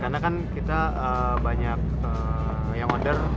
karena kan kita banyak yang order